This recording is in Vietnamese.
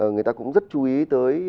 người ta cũng rất chú ý tới